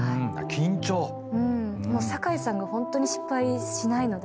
もう堺さんがホントに失敗しないので。